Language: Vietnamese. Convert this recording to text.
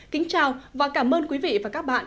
kính chào và cảm ơn quý vị và các bạn